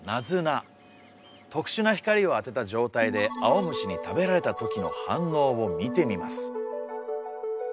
特殊な光を当てた状態でアオムシに食べられた時の反応を見てみます。